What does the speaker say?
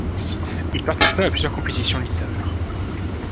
Il participa à plusieurs compétitions littéraires.